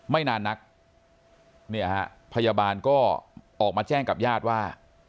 ไม่นานนักเนี่ยฮะพยาบาลก็ออกมาแจ้งกับญาติว่า